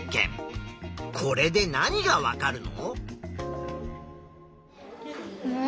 これで何がわかるの？